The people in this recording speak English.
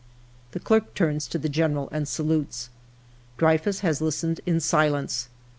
" The clerk turns to the General and salutes. Dreyfus has listened in silence.